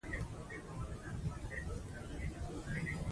ژبه د پوهې او تمدن وسیله ده.